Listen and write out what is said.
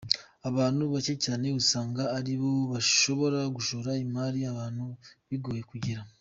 Abantu bake cyane usanga aribo bashobora gushora imari ahantu bigoye kugera.